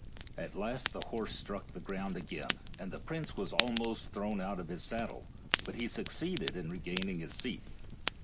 At last the horse struck the ground again, and the prince was almost thrown out of his saddle, but he succeeded in regaining his seat.